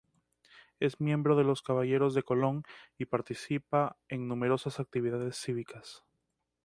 Es miembro de los Caballeros de Colón y participa en numerosas actividades cívicas.